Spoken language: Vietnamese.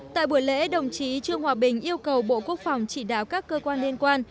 tại buổi lễ đồng chí trương hòa bình yêu cầu bộ quốc phòng chỉ đạo các cơ quan liên quan